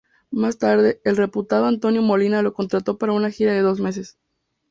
Más tarde, el reputado Antonio Molina lo contrató para una gira de dos meses.